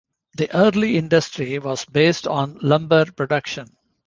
The early industry was based on lumber production.